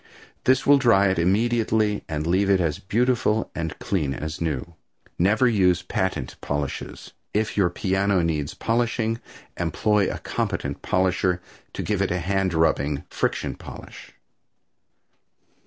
This will dry it immediately and leave it as beautiful and clean as new. Never use patent polishes. If your piano needs polishing employ a competent polisher to give it a hand rubbing friction polish.